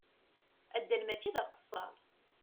Addal mačči d aqesser.